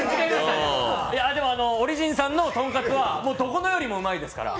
でも、オリジンさんのとんかつはどこのよりもうまいですから。